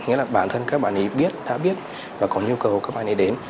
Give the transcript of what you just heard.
nghĩa là bản thân các bạn ấy biết đã biết và có nhu cầu các bạn ấy đến